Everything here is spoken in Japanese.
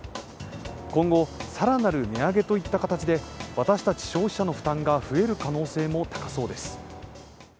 今後、更なる値上げといった形で私たち消費者の負担が増える可能性も高そうです。